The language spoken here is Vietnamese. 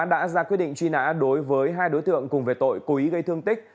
đã ra quyết định truy nã đối với hai đối tượng cùng về tội cố ý gây thương tích